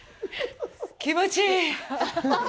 気持ちいい。